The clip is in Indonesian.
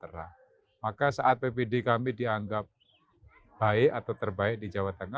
berarti dibedahan mor coating tak jadinya terhadap semua masyarakat jadi kemudian trade serta semuanya